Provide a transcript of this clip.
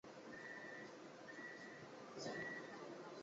担任高等教育出版社原副总编辑。